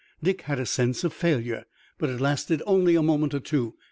Dick had a sense of failure, but it lasted only a moment or two.